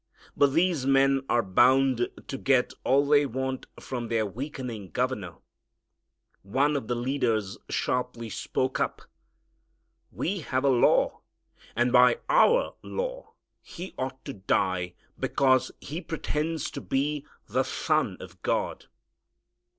But these men are bound to get all they want from their weakening governor. One of the leaders sharply spoke up, "We have a law, and by our law He ought to die because He pretends to be the Son of God."